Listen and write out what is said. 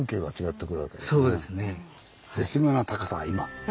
そうですね。